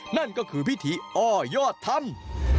นั่นก็คือพิธีอ้อยอดธรรม